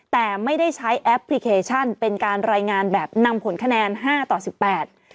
แต่ไม่ได้ใช้แอปพลิเคชันเป็นการรายงานแบบนำผลคะแนนห้าต่อสิบแปด